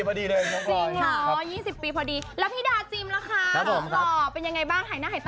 แล้วพี่ดาจิมล่ะคะเป็นยังไงบ้างหายหน้าหายตาไปไหนมา